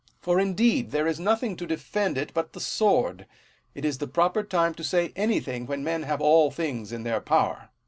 For, indeed, there is nothing to defend it but the sword : it is the proper time to say anything when men have all things in their power.